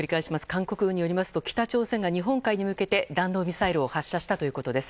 韓国軍によりますと、北朝鮮が日本海に向けて弾道ミサイルを発射したということです。